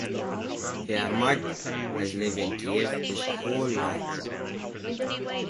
Yermak has lived in Kyiv his whole life.